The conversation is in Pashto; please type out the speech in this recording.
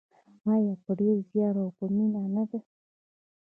آیا په ډیر زیار او مینه نه دی؟